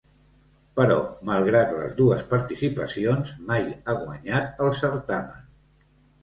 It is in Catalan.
Però malgrat les dues participacions, mai ha guanyat el certamen.